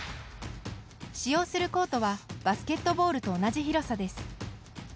使用するコートはバスケットボールと同じ広さです。